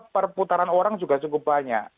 perputaran orang juga cukup banyak